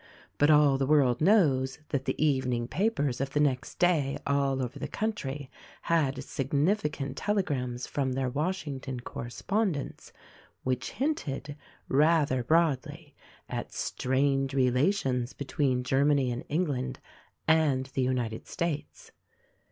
but all the world knows that the evening papers of the next day all over the country had significant telegrams from their Washington correspondents which hinted, rather broadly, at strained relations between Germany and Eng land, and the United States.